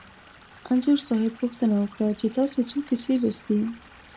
انځور صاحب پوښتنه وکړه چې تاسې څو کیسې لوستي.